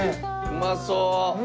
うまそう！